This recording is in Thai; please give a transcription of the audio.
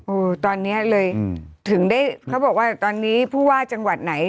โอ้โหตอนนี้เลยถึงได้เขาบอกว่าตอนนี้ผู้ว่าจังหวัดไหน